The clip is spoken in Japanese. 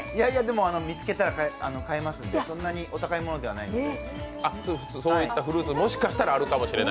見つけたら買えますので、そんなに高いものではないです。